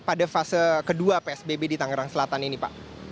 pada fase kedua psbb di tangerang selatan ini pak